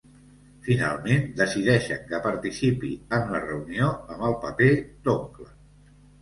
Finalment decideixen que participi en la reunió amb el paper d'oncle.